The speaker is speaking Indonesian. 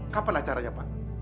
kapan acaranya pak